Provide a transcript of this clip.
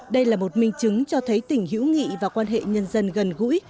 đây là một minh chứng cho thấy tình hữu nghị và quan hệ nhân dân gần gũi